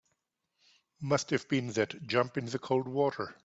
Must have been that jump in the cold water.